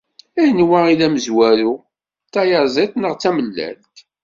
Anwa i d amezwaru, d tayaẓiḍt neɣ d tamellalt?